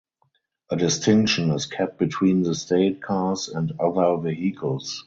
A distinction is kept between the State Cars and other vehicles.